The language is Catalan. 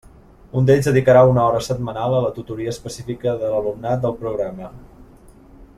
Un d'ells dedicarà una hora setmanal a la tutoria específica de l'alumnat del programa.